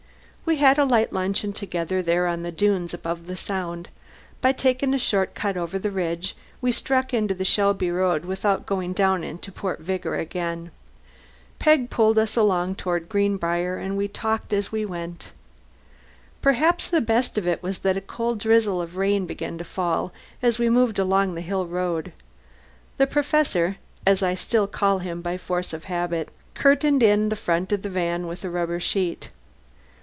We had a light luncheon together there on the dunes above the Sound. By taking a short cut over the ridge we struck into the Shelby road without going down into Port Vigor again. Peg pulled us along toward Greenbriar, and we talked as we went. Perhaps the best of it was that a cold drizzle of rain began to fall as we moved along the hill road. The Professor as I still call him, by force of habit curtained in the front of the van with a rubber sheet.